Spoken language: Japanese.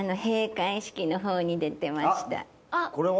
あっこれは？